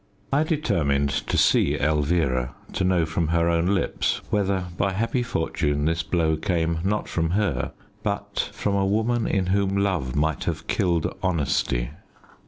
I determined to see Elvire, to know from her own lips whether by happy fortune this blow came, not from her, but from a woman in whom love might have killed honesty.